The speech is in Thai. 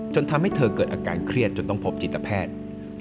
ทำให้เธอเกิดอาการเครียดจนต้องพบจิตแพทย์